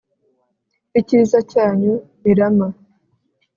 Icyiza cyanyu Mirama